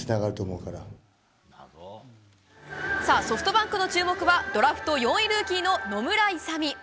ソフトバンクの注目はドラフト４位ルーキーの野村勇。